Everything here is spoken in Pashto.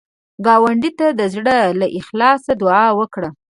ګاونډي ته د زړه له اخلاص دعا وکړه